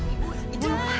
ibu ibu lupa